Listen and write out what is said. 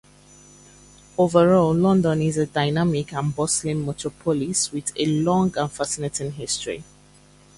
Overall, London is a dynamic and bustling metropolis with a long and fascinating history.